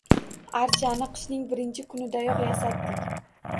Archani qishning birinchi kunidayoq yasatdik